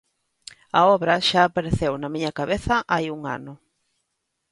A obra xa apareceu na miña cabeza hai un ano.